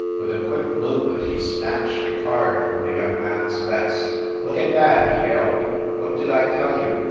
With a quick movement he snatched a card from the young man s vest. "Look at that !" he yelled. "What did I tell you?